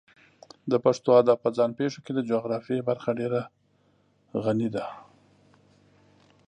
د پښتو ادب په ځان پېښو کې د جغرافیې برخه ډېره غني ده.